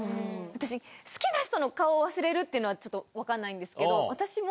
私好きな人の顔を忘れるっていうのはちょっと分かんないんですけど私も。